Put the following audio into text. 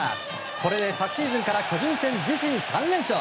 これで昨シーズンから巨人戦、自身３連勝。